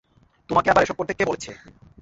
তোমাকে আবার এসব করতে কে বলেছে?